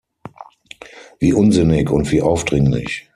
Wie unsinnig und wie aufdringlich!